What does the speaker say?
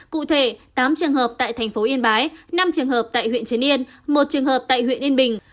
cụ thể tám trường hợp tại thành phố yên bái năm trường hợp tại huyện trấn yên một trường hợp tại huyện yên bình